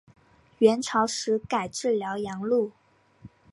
元朝时改置辽阳路。